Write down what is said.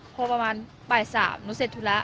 พอประมาณบ่าย๓หนูเสร็จธุระ